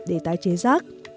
để tái chế rác